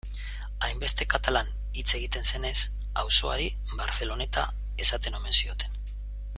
Hainbeste katalan hitz egiten zenez, auzoari Barceloneta esaten omen zioten.